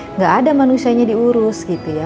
enggak ada manusianya diurus